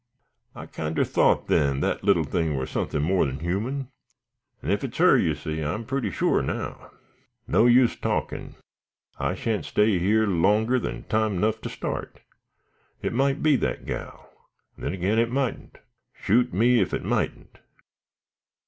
"I kinder thought then, that little thing war suthin' more nor human, an' ef it's her, you see, I'm purty sure now. No use talkin', I shan't stay here longer than time 'nough to start. It might be that gal, and then agin it moughn't. Shoot me ef it moughn't."